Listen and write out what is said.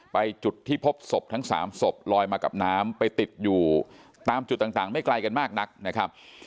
จุดที่พบศพทั้ง๓ศพลอยมากับน้ำไปติดอยู่ตามจุดต่างไม่ไกลกันมากนักนะครับ